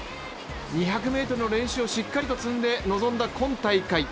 ２００ｍの練習をしっかりと積んで臨んだ今大会。